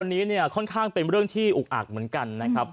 วันนี้เนี่ยค่อนข้างเป็นเรื่องที่อุกอักเหมือนกันนะครับ